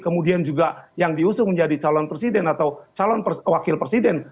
kemudian juga yang diusung menjadi calon presiden atau calon wakil presiden